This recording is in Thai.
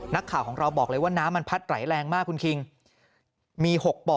นักข่าวของเราบอกเลยว่าน้ำมันพัดไหลแรงมากคุณคิงมี๖บ่อ